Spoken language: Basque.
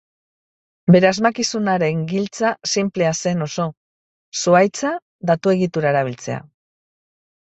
Bere asmakizunaren giltza sinplea zen oso: zuhaitza datu-egitura erabiltzea.